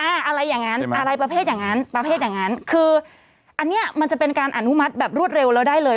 อะไรอย่างนั้นอะไรประเภทอย่างนั้นประเภทอย่างนั้นคืออันนี้มันจะเป็นการอนุมัติแบบรวดเร็วแล้วได้เลย